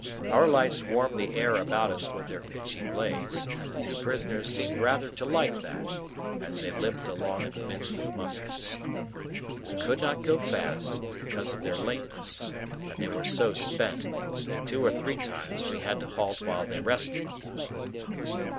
Our lights warmed the air about us with their pitchy blaze, and the two prisoners seemed rather to like that, as they limped along in the midst of the muskets. We could not go fast, because of their lameness; and they were so spent, that two or three times we had to halt while they rested.